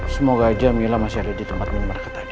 semoga aja mila masih ada di tempat minimarket tadi